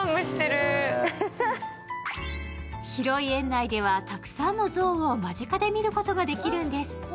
広い園内ではたくさんの象を間近で見ることができるんです。